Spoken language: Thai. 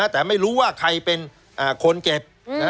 แต่ไม่รู้ว่าใครเป็นคนเจ็บ